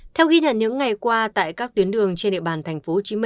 theo ghi nhận những ngày qua tại các tuyến đường trên địa bàn tp hcm